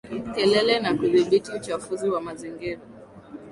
Kelele na kudhibiti uchafuzi wa mazingira